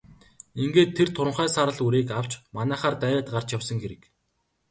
Ингээд тэр туранхай саарал үрээг авч манайхаар дайраад гарч явсан хэрэг.